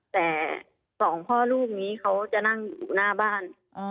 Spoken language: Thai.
แต่สองพ่อลูกนี้เขาจะนั่งอยู่หน้าบ้าน